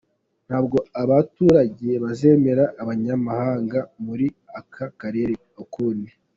Ntabwo abaturage bazemera abanyamahanga muri aka karere ukundi.